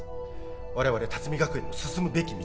我々龍海学園の進むべき道